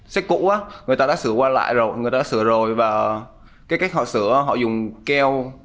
sách cũ người ta đã sửa qua lại rồi người ta đã sửa rồi và cái cách họ sửa họ dùng keo